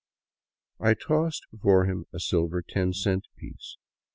I tossed before him a silver ten cent piece.